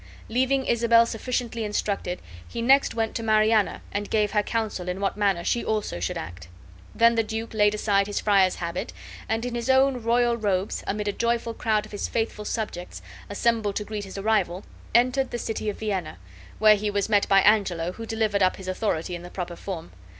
Leaving Isabel sufficiently instructed, he next went to Mariana and gave her counsel in what manner she also should act. Then the duke laid aside his friar's habit, and in his own royal robes, amid a joyful crowd of his faithful subjects assembled to greet his arrival, entered the city of Vienna, where he was met by Angelo, who delivered up his authority in the proper form.